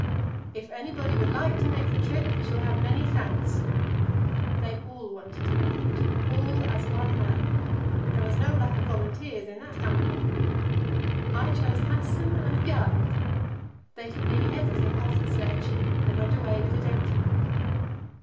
"If anybody would like to make the trip, he shall have many thanks." They all wanted to make it all as one man. There was no lack of volunteers in that company. I chose Hanssen and Bjaaland. They took nearly everything off the sledge, and went away with it empty.